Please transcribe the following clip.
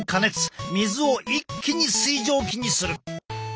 水を一気に水蒸気にする。